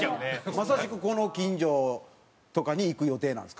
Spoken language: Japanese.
まさしくこの近所とかに行く予定なんですか？